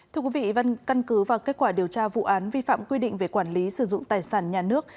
thưa quý vị văn căn cứ và kết quả điều tra vụ án vi phạm quy định về quản lý sử dụng tài sản nhà nước